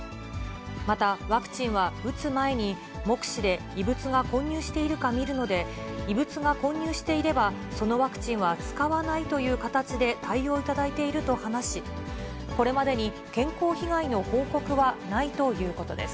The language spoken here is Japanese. また、ワクチンは打つ前に、目視で、異物が混入しているか見るので、異物が混入していれば、そのワクチンは使わないという形で対応いただいていると話し、これまでに健康被害の報告はないということです。